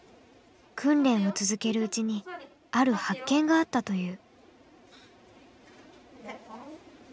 訓練を続けるうちにある発見があったという。